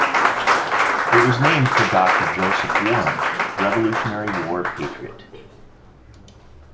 It was named for Doctor Joseph Warren, Revolutionary War patriot.